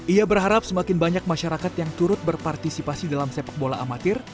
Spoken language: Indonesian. ia berharap semakin banyak masyarakat yang turut berpartisipasi dalam sepak bola amatir